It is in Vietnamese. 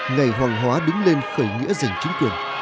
ngày hoàng hóa đứng lên khởi nghĩa giành chính quyền